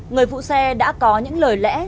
người phụ xe đã có những lời lẽ